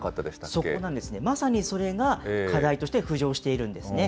そこなんですね、まさにそれが課題として浮上しているんですね。